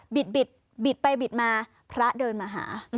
บิดไปบิดมาพระเดินมาหา